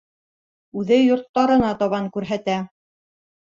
Үҙе йорттарына табан күрһәтә.